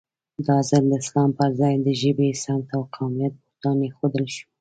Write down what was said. دا ځل د اسلام پر ځای د ژبې، سمت او قومیت بوتان اېښودل شوي.